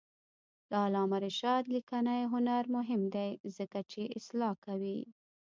د علامه رشاد لیکنی هنر مهم دی ځکه چې اصلاح کوي.